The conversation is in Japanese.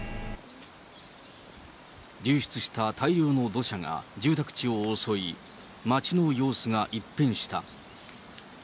流出した大量の土砂が住宅地を襲い、町の様子が一変した。